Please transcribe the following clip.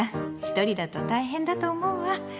一人だと大変だと思うわ。